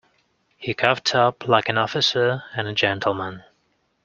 He coughed up like an officer and a gentleman.